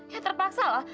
ya terpaksa lah